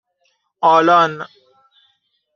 آلان